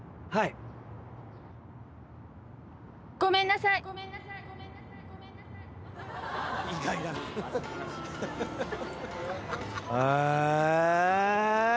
「はい」「ごめんなさい」「ええ」